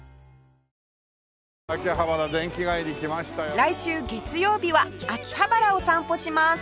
来週月曜日は秋葉原を散歩します